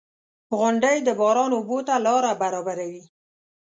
• غونډۍ د باران اوبو ته لاره برابروي.